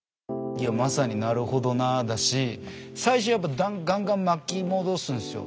いやまさに「なるほどなあ」だし最初やっぱガンガン巻き戻すんすよ。